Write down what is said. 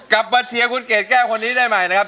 กลับมาเชียร์คุณเกดแก้วคนนี้ได้ใหม่นะครับ